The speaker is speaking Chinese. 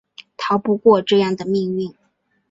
逃不过这样的命运